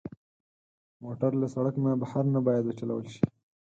موټر له سړک نه بهر نه باید وچلول شي.